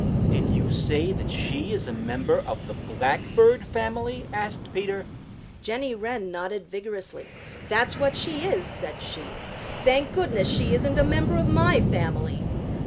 "Did you say that she is a member of the Blackbird family?" asked Peter. Jenny Wren nodded vigorously. "That's what she is," said she. "Thank goodness, she isn't a member of MY family.